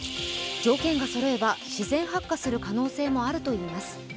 条件がそろえば自然発火する可能性もあるといいます。